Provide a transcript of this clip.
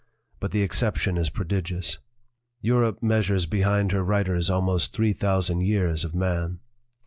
But the exception is prodigious.' Europe meas ures behind her writers almost three thousand years of man.